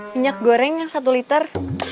minyak goreng satu liter